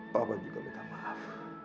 papa juga minta maaf